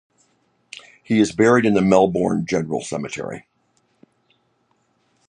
He is buried in the Melbourne General Cemetery.